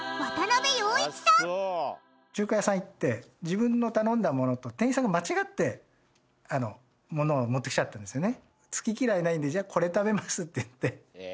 中華屋さんに行って自分の頼んだものと店員さんが間違ってものを持ってきちゃったんですよね。